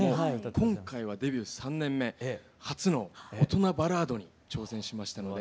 今回はデビュー３年目初の大人バラードに挑戦しましたので。